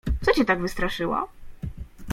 "Co cię tak wystraszyło?"